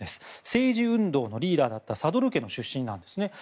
政治運動のリーダーだったサドル家の出身なんですね。